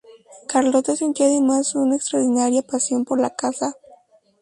Carlota sentía además una extraordinaria pasión por la caza.